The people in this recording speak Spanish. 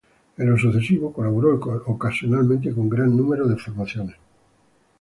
En lo sucesivo colaboró ocasionalmente con gran número de formaciones.